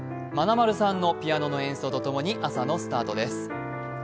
まなまるさんのピアノの演奏と共に朝のスタートです。